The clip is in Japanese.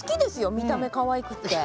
見た目かわいくて。